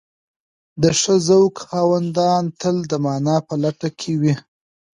د ښه ذوق خاوندان تل د مانا په لټه کې وي.